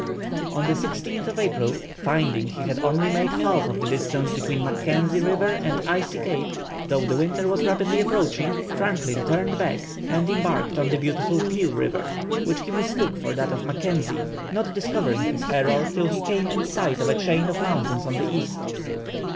On the 16th April, finding he had only made half of the distance between Mackenzie River and Icy Cape, though the winter was rapidly approaching, Franklin turned back and embarked on the beautiful Peel River, which he mistook for that of Mackenzie, not discovering his error till he came in sight of a chain of mountains on the east.